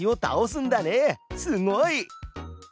すごい！